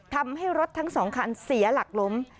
ทำให้รถทั้ง๒คันเสียหลักล้ม